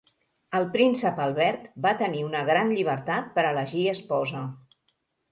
El príncep Albert va tenir una gran llibertat per elegir esposa.